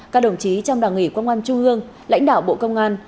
các đồng chí trong đảng ủy công an trung ương lãnh đạo bộ công an